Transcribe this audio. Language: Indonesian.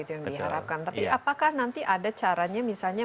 tapi apakah nanti ada caranya misalnya